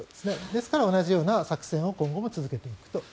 ですから、同じような作戦を今後も続けていくと。